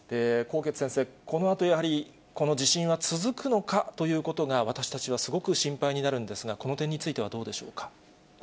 纐纈先生、このあとやはり、この地震は続くのかということが、私たちはすごく心配になるんですが、この点についてはどうでしょうか？